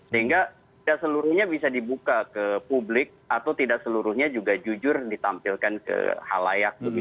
sehingga tidak seluruhnya bisa dibuka ke publik atau tidak seluruhnya juga jujur ditampilkan ke hal layak